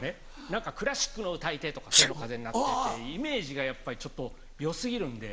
何かクラシックの歌い手とか『千の風になって』ってイメージがやっぱりちょっと良過ぎるんで。